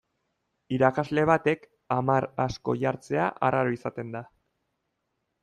Irakasle batek hamar asko jartzea arraro izaten da.